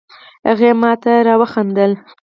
هغې ماته را وخندل